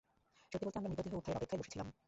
সত্যি বলতে, আমরা, মৃতদেহ উদ্ধারের অপেক্ষায় বসেছিলাম।